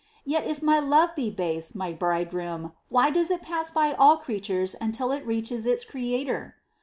Yet if my love be base, my Bridegroom, why does it pass by all creatures until it reaches its Creator